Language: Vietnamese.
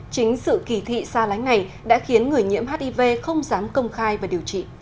chính sự kỳ thị xa lánh này đã khiến người nhiễm hiv không dám công khai và điều trị